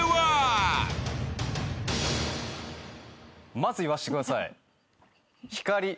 まず言わしてください。